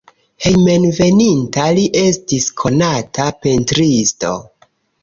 Hejmenveninta li estis konata pentristo.